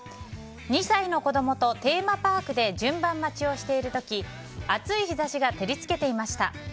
２歳の子供とテーマパークで順番待ちをしている時暑い日差しが照り付けていました。